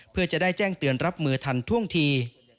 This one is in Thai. เพื่อจะได้แจ้งเตือนรับมือทันท่วงที